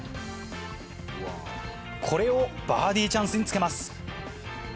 これをバーディーチャンスにつけます。